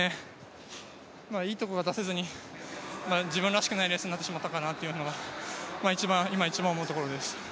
いいとこが出せずに、自分らしくないレースになってしまったかなというところを今、一番思うところです。